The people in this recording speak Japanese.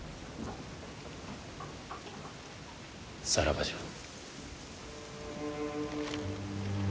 さらばじゃ。